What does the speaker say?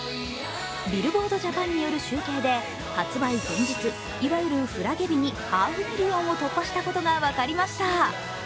ビルボード・ジャパンによる集計で、発売前日、いわゆるフラゲ日にハーフミリオンを達成したことが分かりました。